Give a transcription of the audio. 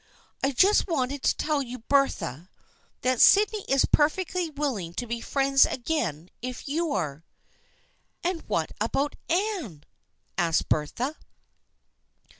I just wanted to tell you, Bertha, that Sydney is perfectly will ing to be friends again if you are." " And what about Anne ?" asked Bertha.